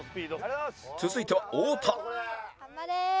続いては太田